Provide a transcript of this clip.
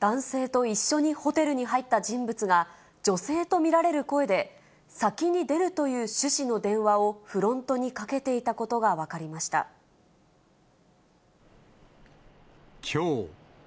男性と一緒にホテルに入った人物が女性と見られる声で、先に出るという趣旨の電話をフロントにかけていたことが分かりまきょう。